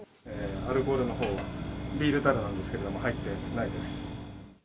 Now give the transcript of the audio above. アルコールのほうはビールたるなんですけれども、入ってないです。